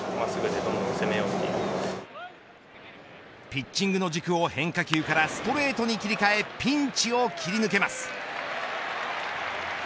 ピッチングの軸を変化球からストレートに切り替えピンチを切り抜けます。